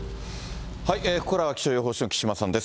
ここからは、気象予報士の木島さんです。